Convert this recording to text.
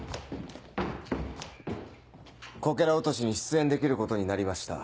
こけら落としに出演できることになりました。